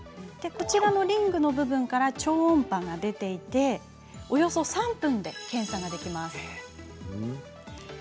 こちらのリングの部分から超音波が出ていておよそ３分で検査ができます。